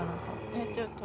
えっちょっと。